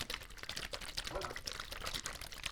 Voilà (quand on donne quelque chose).